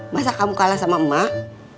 masa kamu kalah sama emak